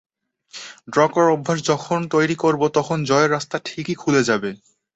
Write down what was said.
Draw করার অভ্যাস যখন তৈরি করব, তখন জয়ের রাস্তা ঠিকই খুলে যাবে।